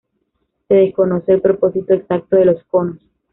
Se desconoce el propósito exacto de los conos.